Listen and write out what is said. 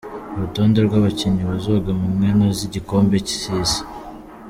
Urutonde rw'abakinyi bazoja mu nkino z'igikombe c'isi .